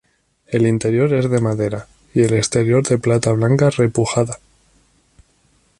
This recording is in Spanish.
El interior es de madera y el exterior de plata blanca repujada.